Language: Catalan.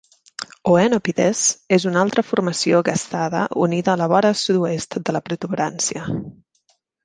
Oenopides és una altra formació gastada unida a la vora sud-oest de la protuberància.